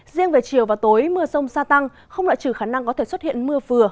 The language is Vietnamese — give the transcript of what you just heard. riêng về chiều và tối mưa rông gia tăng không lại trừ khả năng có thể xuất hiện mưa vừa